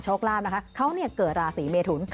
โชคลาฟนะคะเขาเนี่ยเกิดราศีเมทุนค่ะ